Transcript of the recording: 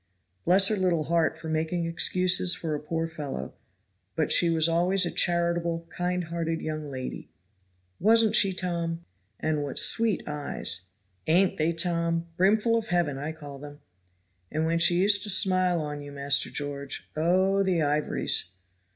"Bless her little heart for making excuses for a poor fellow; but she was always a charitable, kind hearted young lady." "Wasn't she, Tom?" "And what sweet eyes!" "Ain't they, Tom? brimful of heaven I call them." "And when she used to smile on you, Master George, oh! the ivories."